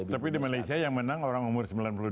tapi di malaysia yang menang orang umur sembilan puluh dua